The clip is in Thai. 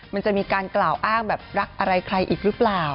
มันจะมีการกล่าวอ้างแบบรักอะไรใครอีกหรือเปล่า